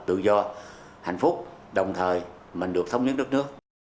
tự do hạnh phúc đồng thời mình được thống nhất đất nước